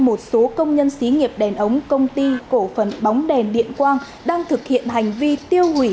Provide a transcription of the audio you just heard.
một số công nhân xí nghiệp đèn ống công ty cổ phần bóng đèn điện quang đang thực hiện hành vi tiêu hủy